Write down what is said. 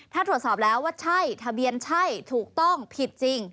ถ้าตรวจสอบแล้วว่าใช่ทะเบียนใช่ถูกต้องผิดจริง